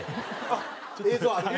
あっ映像あるって。